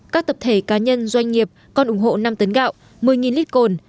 các tập thể cá nhân doanh nghiệp còn ủng hộ năm tấn gạo một mươi lít cồn